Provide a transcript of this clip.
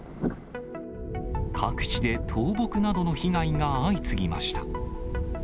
各地で倒木などの被害が相次ぎました。